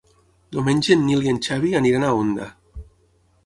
Diumenge en Nil i en Xavi aniran a Onda.